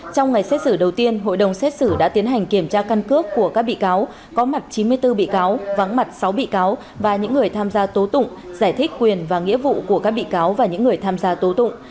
trong ngày xét xử đầu tiên hội đồng xét xử đã tiến hành kiểm tra căn cước của các bị cáo có mặt chín mươi bốn bị cáo vắng mặt sáu bị cáo và những người tham gia tố tụng giải thích quyền và nghĩa vụ của các bị cáo và những người tham gia tố tụng